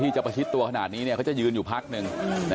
จะประชิดตัวขนาดนี้เขาจะยืนอยู่พักหนึ่ง